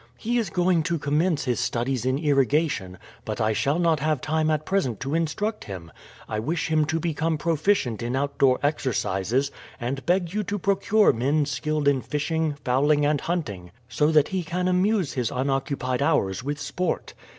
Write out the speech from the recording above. "He is going to commence his studies in irrigation, but I shall not have time at present to instruct him. I wish him to become proficient in outdoor exercises, and beg you to procure men skilled in fishing, fowling, and hunting, so that he can amuse his unoccupied hours with sport.